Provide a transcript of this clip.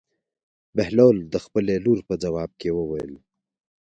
بهلول د خپلې لور په ځواب کې وویل.